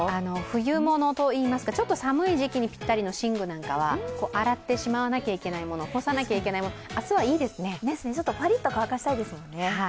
冬物といいますか、ちょっと寒い時期にぴったりの寝具などは洗ってしまわなきゃいけないもの干さなきゃいけないものパリッと乾かしたいですもんね。